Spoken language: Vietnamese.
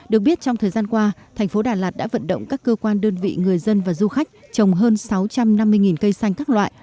được biết trong thời gian qua thành phố đà lạt đã vận động các cơ quan đơn vị người dân và du khách trồng hơn sáu trăm năm mươi cây xanh các loại